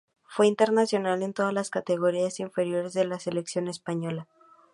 Fue internacional en todas las categorías inferiores de la selección española.